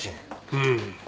うん。